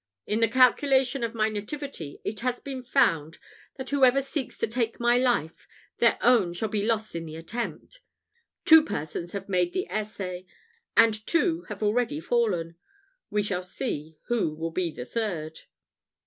In the calculation of my nativity, it has been found, that whoever seeks to take my life, their own shall be lost in the attempt. Two persons have made the essay and two have already fallen. We shall see who will be the third."